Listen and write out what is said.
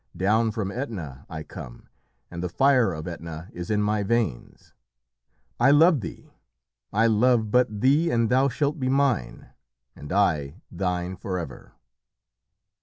Down from Etna I come, and the fire of Etna is in my veins. I love thee! I love but thee, and thou shalt be mine, and I thine forever."